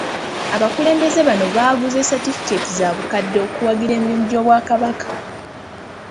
Abakulembeze bano baaguze Satifikeeti za bukadde okuwagira emirimu gy'Obwakabaka.